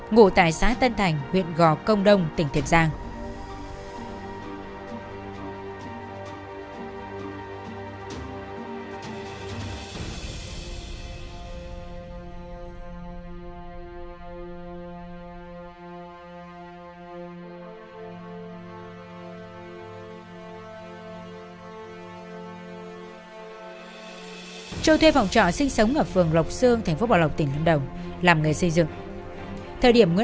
ngủ tại xã tân thành huyện gò công đông tỉnh thiện giang